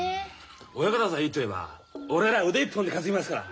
親方さえいいって言えば俺ら腕一本で担ぎますから。